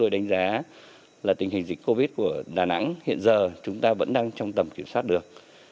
đánh giá là tình hình dịch covid của đà nẵng hiện giờ chúng ta vẫn đang trong tầm kiểm soát được